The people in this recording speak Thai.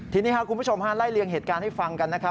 ทีนี้ครับคุณผู้ชมฮะไล่เลี่ยงเหตุการณ์ให้ฟังกันนะครับ